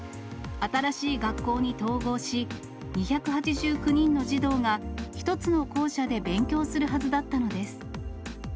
新しい学校に統合し、２８９人の児童が１つの校舎で勉強するはずだったのです。